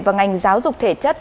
và ngành giáo dục thể chất